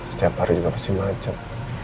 setiap hari juga pasti macet